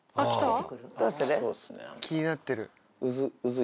気になってる。